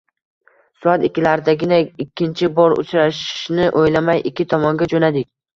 Soat ikkilardagina ikkinchi bor uchrashishni o’ylamay ikki tomonga jo’nadik.